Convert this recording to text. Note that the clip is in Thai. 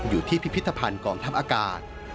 อยู่ที่พิพิธภัณฑ์กองทับอากาศ